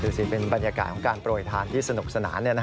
สิเป็นบรรยากาศของการโปรยทานที่สนุกสนาน